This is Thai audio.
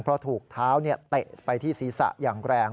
เพราะถูกเท้าเตะไปที่ศีรษะอย่างแรง